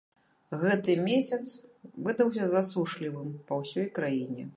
Гэты месяц выдаўся засушлівым па ўсёй краіне.